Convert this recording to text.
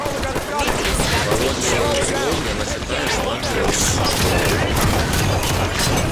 Паводле яе слоў, яна чытае шмат беларускіх твораў.